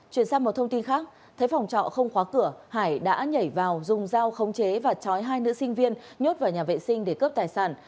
chuyển sang một thông tin khác thấy phòng trọ không khóa cửa hải đã nhảy vào dùng dao khống chế và chói hai nữ sinh viên nhốt vào nhà vệ sinh để cướp tài sản